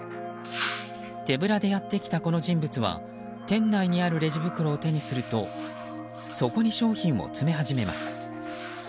手ぶらでやってきた、この人物は店内にあるレジ袋を手にするとそこに商品を詰め始めます。